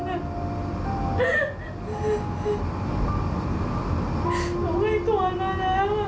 หนูให้ตัวมาแล้ว